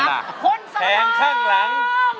คนสำหรับแผงข้างหลัง